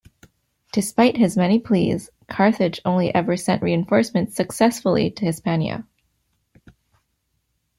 Despite his many pleas, Carthage only ever sent reinforcements successfully to Hispania.